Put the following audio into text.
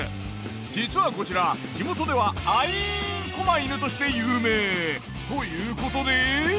実はこちら地元ではアイーン狛犬として有名。ということで。